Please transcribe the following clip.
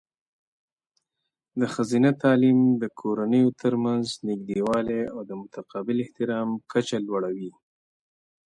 د ښځینه تعلیم د کورنیو ترمنځ نږدېوالی او د متقابل احترام کچه لوړوي.